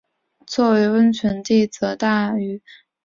作为温泉地则是起于大正时代的开凿。